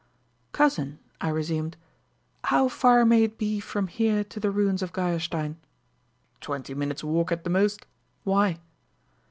"Cousin," I resumed, "how far may it be from here to the ruins of Geierstein?" "Twenty minutes' walk at the most. Why?"